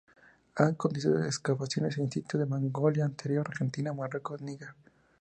Ha conducido excavaciones en sitios de Mongolia Interior, Argentina, Marruecos y Níger.